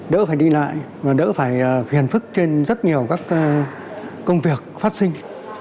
đỡ phải đi lại và đỡ phải phiền phức trên rất nhiều các công việc phát sinh